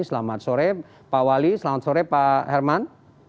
selamat sore pak wali selamat sore pak herman